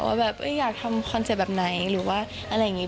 ว่าแบบอยากทำคอนเซ็ปต์แบบไหนหรือว่าอะไรอย่างนี้